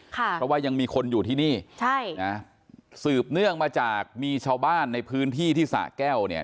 เพราะว่ายังมีคนอยู่ที่นี่ใช่นะสืบเนื่องมาจากมีชาวบ้านในพื้นที่ที่สะแก้วเนี่ย